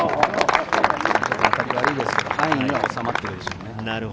当たりは悪いですけど範囲には収まってるでしょうね。